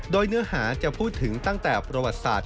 โดยเนื้อหาจะพูดถึงตั้งแต่ประวัติศาสตร์